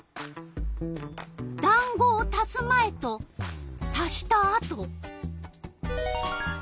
だんごを足す前と足した後。